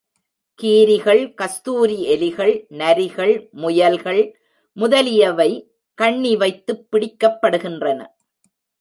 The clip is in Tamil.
கீரிகள், கஸ்தூரி எலிகள், நரிகள், முயல்கள் முதலியவை கண்ணி வைத்துப் பிடிக்கப்படுகின்றன.